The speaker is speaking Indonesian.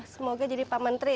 semoga jadi pak menteri